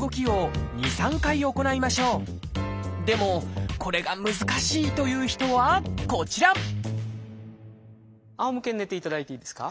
でもこれが難しいという人はこちらあおむけに寝ていただいていいですか。